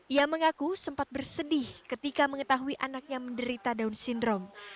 ia mengaku sempat bersedih ketika mengetahui anaknya menderita down syndrome